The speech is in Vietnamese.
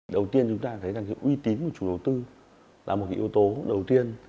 đầu tiên chúng ta thấy rằng uy tín của chủ đầu tư là một yếu tố đầu tiên